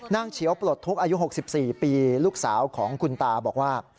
เฉียวปลดทุกข์อายุ๖๔ปีลูกสาวของคุณตาบอกว่า